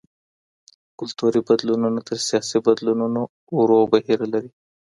کلتوري بدلونونه تر سياسي بدلونونو ورو بهير لري.